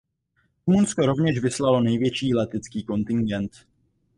Rumunsko rovněž vyslalo největší letecký kontingent.